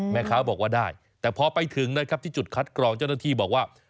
แม่ค้าบอกว่าได้แต่พอไปถึงนะครับที่จุดคัดกรองเจ้าหน้าที่บอกว่า